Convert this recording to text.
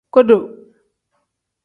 Godo.